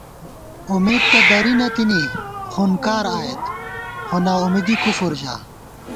امېدتہ درِی نہ تِنی، خونکار آئیېت، خوناامیدی کُفر ژا